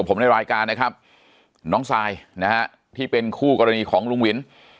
ผมในรายการนะครับน้องซายนะฮะที่เป็นคู่กรณีของลุงวิน